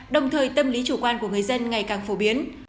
đồng thời tâm lý chủ quan của người dân ngày càng phổ biến